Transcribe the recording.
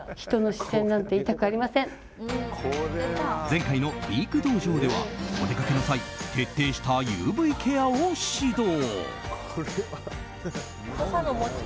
前回の美育道場ではお出かけの際徹底したＵＶケアを指導。